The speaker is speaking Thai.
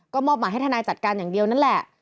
ก็มอบหมายให้ทนายจัดการอย่างเดียวนั่นแหละ